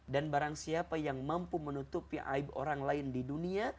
dan barang siapa yang mampu menutupi aib orang lain di dunia